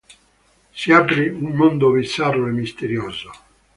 Si apre un mondo bizzarro e misterioso.